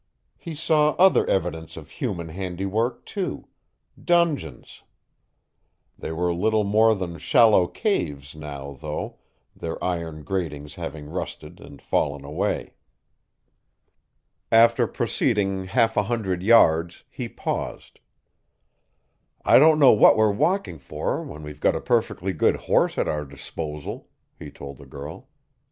He saw other evidence of human handiwork too dungeons. They were little more than shallow caves now, though, their iron gratings having rusted and fallen away. After proceeding half a hundred yards, he paused. "I don't know what we're walking for when we've got a perfectly good horse at our disposal," he told the girl.